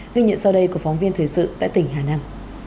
ghi nhận sau đây của phóng viên thời sự tại tỉnh hà nam